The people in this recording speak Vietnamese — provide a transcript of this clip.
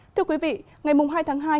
thưa quý vị ngày hai tháng hai